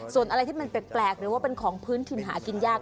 ส่วนอะไรที่มันแปลกหรือว่าเป็นของพื้นถิ่นหากินยาก